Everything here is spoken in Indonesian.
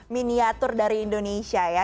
miniatur dari indonesia ya